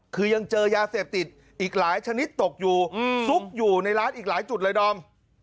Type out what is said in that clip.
คือยังเจอยาเสพติดอีกหลายชนิดตกอยู่ซุกอยู่ในร้านอีกหลายจุดเลยดอม